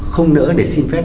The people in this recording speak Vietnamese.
không nỡ để xin phép